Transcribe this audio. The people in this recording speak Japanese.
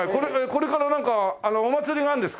これからなんかお祭りがあるんですか？